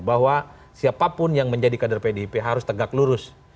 bahwa siapapun yang menjadi kader pdip harus tegak lurus